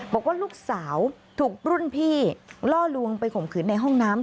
บอกว่าลูกสาวถูกรุ่นพี่ล่อลวงไปข่มขืนในห้องน้ำ